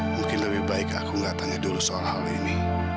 mungkin lebih baik aku nggak tanya dulu soal hal ini